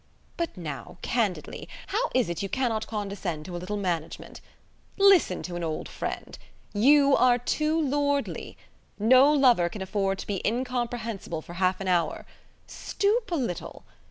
But now, candidly, how is it you cannot condescend to a little management? Listen to an old friend. You are too lordly. No lover can afford to be incomprehensible for half an hour. Stoop a little.